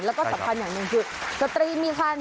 แล้วก็สำคัญอย่างหนึ่งคือสตรีมีคัน